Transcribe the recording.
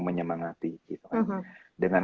menyemangati gitu kan dengan